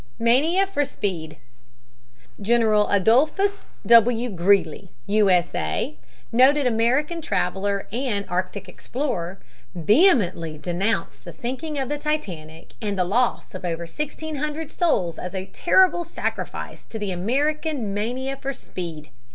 MANIA FOR SPEED General Adolphus W. Greely, U. S. A., noted American traveler and Arctic explorer, vehemently denounced the sinking of the Titanic and the loss of over 1600 souls as a terrible sacrifice to the American mania for speed.